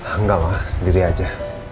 enggak ma sendiri aja